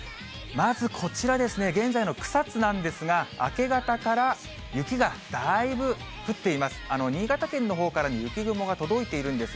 まずこちらですね、現在の草津なんですが、明け方から雪がだいぶ降っています。